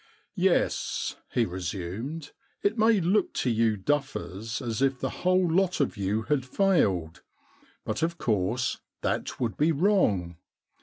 * Yes,' he resumed, * it may look to you duffers as if the whole lot of you had failed, but of course that would be wrong.